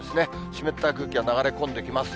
湿った空気が流れ込んできます。